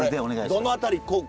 どの辺り。